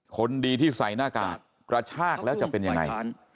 คนดีที่ใส่หน้ากากกระชากแล้วจะเป็นยังไง